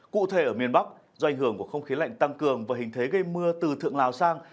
cụ thể ở miền bắc do ảnh hưởng của không khí lạnh tăng cường và hình thế gây mưa từ thượng lào sang